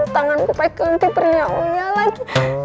tanganku baik ganti periak periaknya lagi